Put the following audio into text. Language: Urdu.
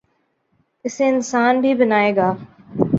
، اسے انسان بھی بنائے گا۔